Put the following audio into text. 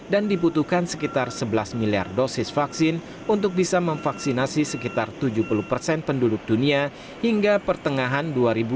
dan dibutuhkan sekitar sebelas miliar dosis vaksin untuk bisa memvaksinasi sekitar tujuh puluh persen penduduk dunia hingga pertengahan dua ribu dua puluh dua